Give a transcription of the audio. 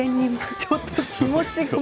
ちょっと気持ちが。